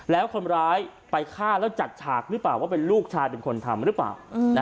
แล้วคนร้ายไปฆ่าแล้วจัดฉากหรือเปล่าว่าเป็นลูกชายเป็นคนทำหรือเปล่า